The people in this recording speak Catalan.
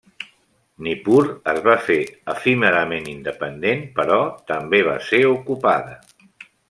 Nippur es va fer efímerament independent però també va ser ocupada.